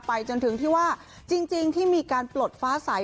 จนถึงที่ว่าจริงที่มีการปลดฟ้าใส